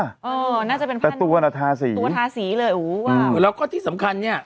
เออน่าจะเป็นแต่ตัวน่ะทาสีตัวทาสีเลยโอ้โหว้าวแล้วก็ที่สำคัญเนี้ย